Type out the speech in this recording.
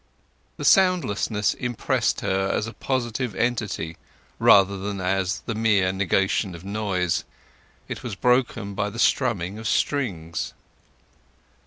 The soundlessness impressed her as a positive entity rather than as the mere negation of noise. It was broken by the strumming of strings.